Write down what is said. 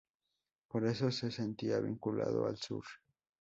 Por eso se sentía vinculado al sur.